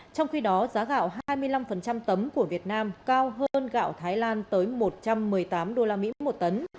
trong khi đó giá gạo hai mươi năm tấm của việt nam cao hơn gạo thái lan tới một trăm một mươi tám usd một tấn